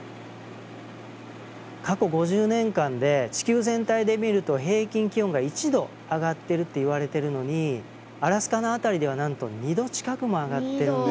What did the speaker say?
過去５０年間で地球全体で見ると平均気温が１度上がってるって言われてるのにアラスカの辺りではなんと２度近くも上がってるんですよ。